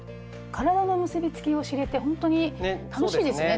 体の結び付きを知れてほんとに楽しいですね